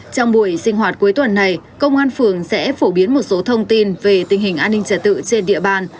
trong buổi sinh hoạt cuối tuần này công an phường sẽ phổ biến một số thông tin về tình hình an ninh trả tự trên địa bàn